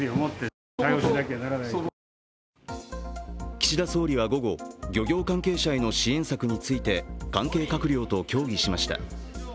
岸田総理は午後、漁業関係者への支援策について関係閣僚と協議しました。